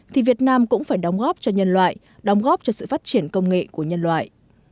thì việt nam cũng phải đóng góp cho nhân loại đóng góp cho sự phát triển công nghệ của nhân loại